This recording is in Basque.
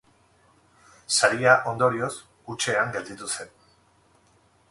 Saria, ondorioz, hutsean gelditu zen.